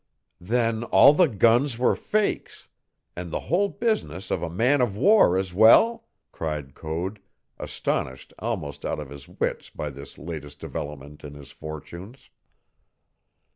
"Then all the guns were fakes, and the whole business of a man of war as well?" cried Code, astonished almost out of his wits by this latest development in his fortunes.